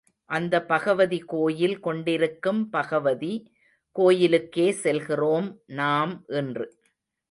அந்த பகவதி கோயில் கொண்டிருக்கும் பகவதி கோயிலுக்கே செல்கிறோம் நாம் இன்று.